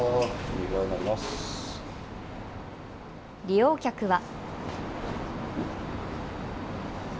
利用客は。